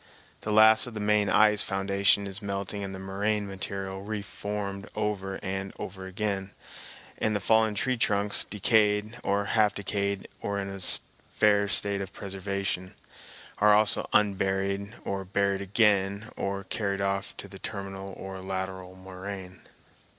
The last of the main ice foundation is melting and the moraine material re formed over and over again, and the fallen tree trunks, decayed or half decayed or in a fair state of preservation, are also unburied and buried again or carried off to the terminal or lateral moraine.